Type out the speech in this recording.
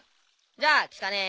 じゃあ聞かねえ。